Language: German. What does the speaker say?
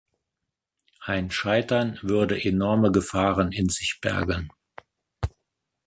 Ein Scheitern würde enorme Gefahren in sich bergen.